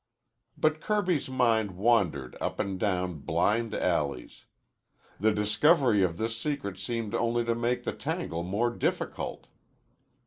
But Kirby's mind wandered up and down blind alleys. The discovery of this secret seemed only to make the tangle more difficult.